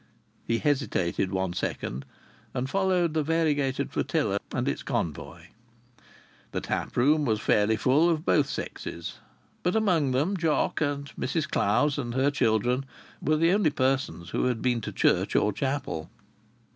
He hesitated one second and followed the variegated flotilla and its convoy. The tap room was fairly full of both sexes. But among them Jock and Mrs Clowes and her children were the only persons who had been to church or chapel.